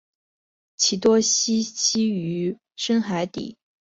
其多栖息于深海底。